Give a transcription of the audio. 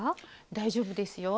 大丈夫ですよ。